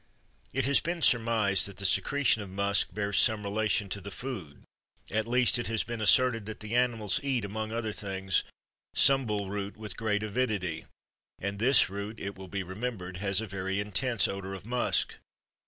It has been surmised that the secretion of musk bears some relation to the food; at least it has been asserted that the animals eat, among other things, sumbul root with great avidity; and this root, it will be remembered, has a very intense odor of musk.